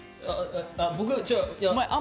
僕。